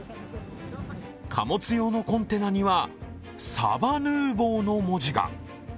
貨物用のコンテナには「サバヌーヴォー」の文字が。